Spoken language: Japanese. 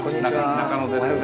中野です。